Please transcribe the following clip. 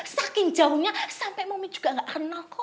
saking jauhnya sampai momi juga gak kenal kok